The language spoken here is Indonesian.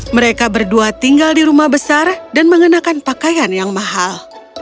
mereka berdua tinggal di rumah besar dan mengenakan pakaian yang mahal